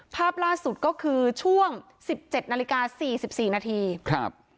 ภาพล่าสุดก็คือช่วงสิบเจ็ดนาฬิกาสี่สิบสี่นาทีครับ